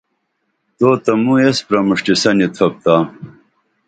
توتہ موایس پرمُݜٹیسنی تھوپ تا